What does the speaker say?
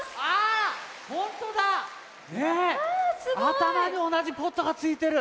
あたまにおなじポットがついてる。